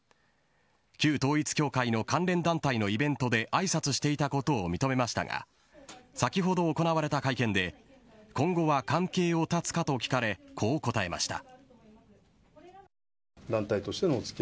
旧統一教会の関連団体のイベントであいさつしていたことを認めましたが先ほど行われた会見で今後は関係を断つかと聞かれこう答えました。